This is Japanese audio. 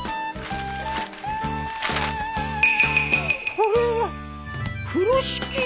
これは風呂敷？